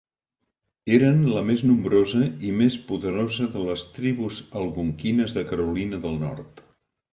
Eren la més nombrosa i més poderosa de les tribus algonquines de Carolina del Nord.